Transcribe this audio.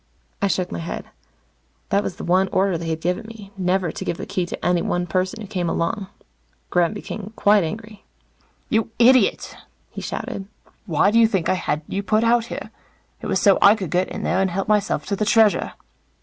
I shook my head. That was the one order they had given me never to give the Key to any one person who came alone. Gremm became quite angry. "You idiot," he shouted. "Why do you think I had you put out here? It was so I could get in there and help myself to the Treasure."